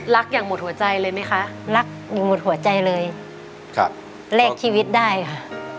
อย่างหมดหัวใจเลยไหมคะรักอย่างหมดหัวใจเลยครับแลกชีวิตได้ค่ะ